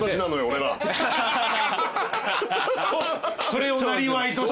それをなりわいとし。